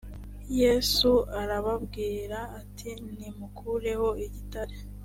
yesu arababwira ati nimukureho igitare